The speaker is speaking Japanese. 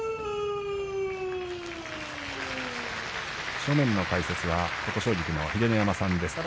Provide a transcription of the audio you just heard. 正面の解説は琴奨菊の秀ノ山さんです。